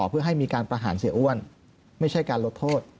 เพื่อให้มีการประหารเสียอ้วนไม่ใช่การลดโทษ